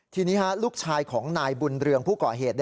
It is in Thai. ทีนี้ลูกชายของนายบุญเรืองผู้ก่อเหตุ